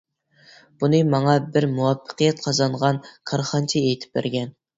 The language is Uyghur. بۇنى ماڭا بىر مۇۋەپپەقىيەت قازانغان كارخانىچى ئېيتىپ بەرگەن.